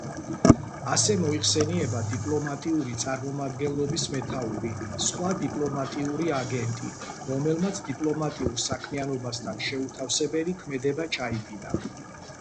ასე მოიხსენიება დიპლომატიური წარმომადგენლობის მეთაური, სხვა დიპლომატიური აგენტი, რომელმაც დიპლომატიურ საქმიანობასთან შეუთავსებელი ქმედება ჩაიდინა.